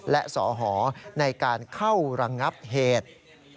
และสอหอในการเข้าระงับเหตุ